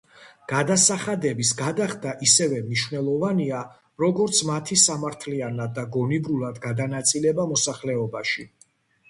გადასახადების გადახდა ისევე მნიშვნელოვანია, როგორც მათი სამართლიანად და გონივრულად გადანაწილება მოსახლეობაში.